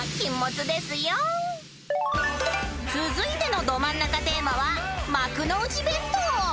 ［続いてのドマンナカテーマは幕の内弁当］